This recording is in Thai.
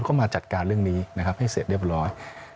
ก็มาจัดการเรื่องนี้ให้เสร็จเรียบร้อย